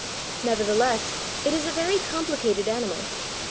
Nevertheless, it is a very complicated animal.